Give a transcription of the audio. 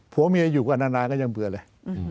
ผัวเมียอยู่กันนานก็ยังเบื่อเลย